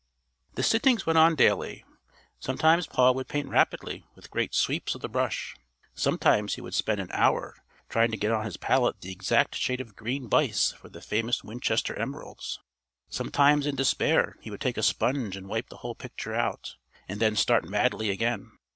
The sittings went on daily. Sometimes Paul would paint rapidly with great sweeps of the brush; sometimes he would spend an hour trying to get on his palette the exact shade of green bice for the famous Winchester emeralds; sometimes in despair he would take a sponge and wipe the whole picture out, and then start madly again.